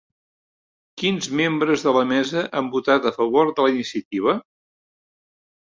Quins membres de la mesa han votat a favor de la iniciativa?